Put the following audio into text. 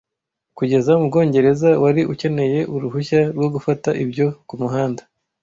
Kugeza mubwongereza wari ukeneye uruhushya rwo gufata ibyo kumuhanda